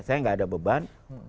saya gak ada beban